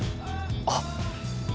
あっ！